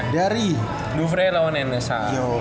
dari duvree lawan enesa